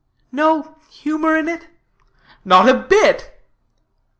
"No humor in it?" "Not a bit!"